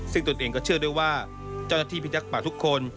ซึ่งตนเองก็เชื่อด้วยว่าเจ้าหน้าที่พิทักษ์ป่าทุกคน